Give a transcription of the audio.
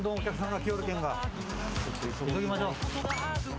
急ぎましょう。